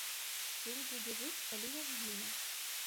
Цень будзе жыць, калі я згіну.